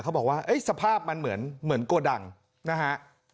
เขาบอกว่าสภาพมันเหมือนโกดังนะฮะ